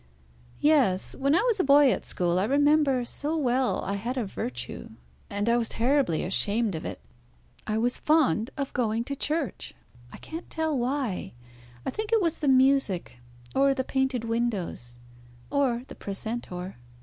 "Yes. When I was a boy at school, I remember so well I had a virtue, and I was terribly ashamed of it. I was fond of going to church. I can't tell why. I think it was the music, or the painted windows, or the precentor.